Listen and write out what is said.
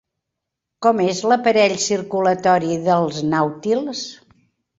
Com és l'aparell circulatori dels nàutils?